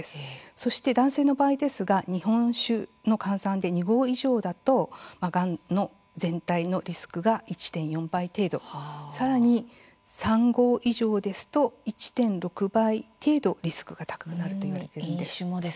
そして男性の場合ですが日本酒に換算すると２合以上だとがんの全体のリスクが１．４倍程度さらに、３合以上で１．６倍程度リスクが高くなると言われています。